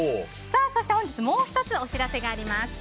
そして本日、もう１つお知らせがあります。